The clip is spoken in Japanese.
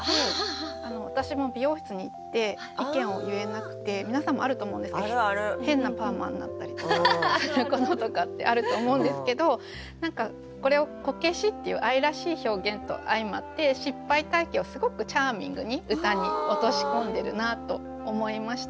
私も美容室に行って意見を言えなくて皆さんもあると思うんですけど変なパーマになったりとかすることとかってあると思うんですけど何かこれを「こけし」っていう愛らしい表現と相まって失敗体験をすごくチャーミングに歌に落とし込んでるなと思いました。